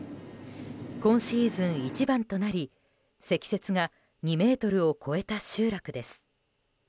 今シーズン一番となり積雪が２ｍを超えた集落です。